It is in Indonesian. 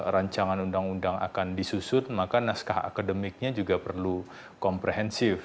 rancangan undang undang akan disusun maka naskah akademiknya juga perlu komprehensif